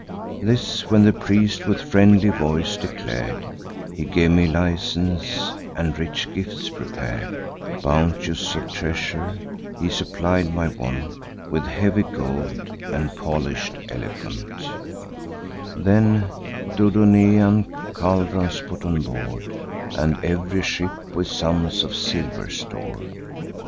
"This when the priest with friendly voice declar'd, He gave me license, and rich gifts prepar'd: Bounteous of treasure, he supplied my want With heavy gold, and polish'd elephant; Then Dodonaean caldrons put on board, And ev'ry ship with sums of silver stor'd.